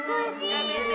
やめて！